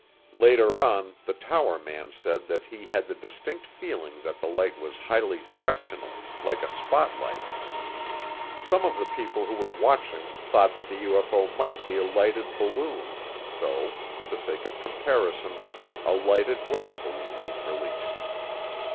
Later on the tower man said that he had the distinct feeling that the light was highly directional, like a spotlight. Some of the people who were watching thought that the UFO might be a lighted balloon; so, for the sake of comparison, a lighted weather balloon was released.